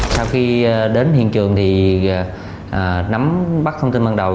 sau khi đến hiện trường thì nắm bắt thông tin ban đầu